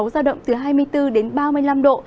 giao động từ hai mươi bốn đến ba mươi năm độ